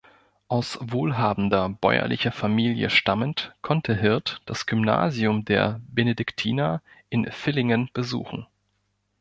Aus wohlhabender bäuerlicher Familie stammend konnte Hirt das Gymnasium der Benediktiner in Villingen besuchen.